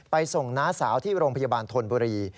ส่งน้าสาวที่โรงพยาบาลธนบุรี